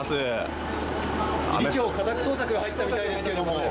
理事長、家宅捜索が入ったみたいですが。